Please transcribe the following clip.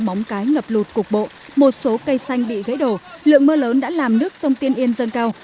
móng cái ngập lụt cục bộ một số cây xanh bị gãy đổ lượng mưa lớn đã làm nước sông tiên yên dâng cao